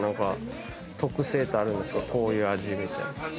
こういう味みたいな。